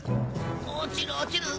落ちる落ちる！